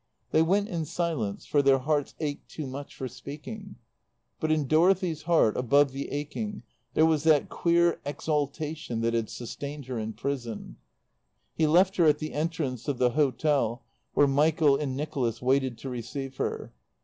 They went in silence; for their hearts ached too much for speaking. But in Dorothy's heart, above the aching, there was that queer exaltation that had sustained her in prison. He left her at the entrance of the hotel, where Michael and Nicholas waited to receive her.